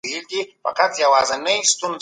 خلګ به د خپلو استازو کارکردګي و ارزوي.